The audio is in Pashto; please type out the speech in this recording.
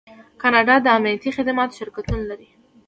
کاناډا د امنیتي خدماتو شرکتونه لري.